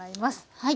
はい。